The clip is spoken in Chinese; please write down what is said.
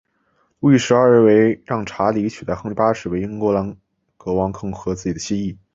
路易十二认为让理查取代亨利八世为英格兰国王更合自己的心意。